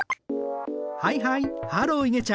はいはいハローいげちゃん。